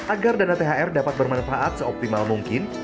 agar dana thr dapat bermanfaat seoptimal mungkin